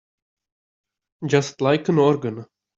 Just like an organ.